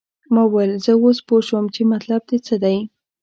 ما وویل زه اوس پوه شوم چې مطلب دې څه دی.